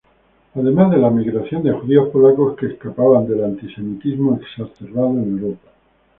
Además de la migración de judíos polacos que escapaban del antisemitismo exacerbado en Europa.